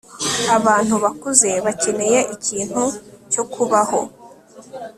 abantu bakuze bakeneye ikintu cyo kubaho